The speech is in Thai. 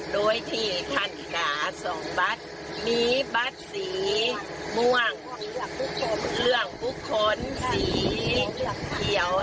โดยที่ท่านจ๋าสองบัตรมีบัตรสีม่วงเรื่องบุคคลสีเหลืองเขียว